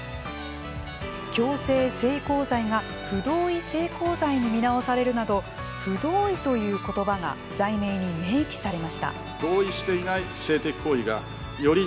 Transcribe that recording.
強制性交罪が不同意性交罪に見直されるなど「不同意」という言葉が罪名に明記されました。